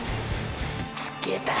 つけた！！